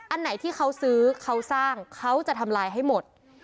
อันไหนที่เขาซื้อเขาสร้างเขาจะทำลายให้หมด